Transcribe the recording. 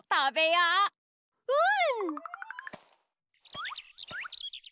うん！